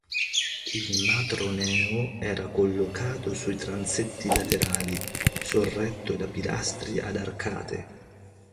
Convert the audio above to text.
Il matroneo era collocato sui transetti laterali, sorretto da pilastri ad arcate.